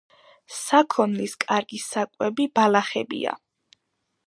საქონლის კარგი საკვები ბალახებია.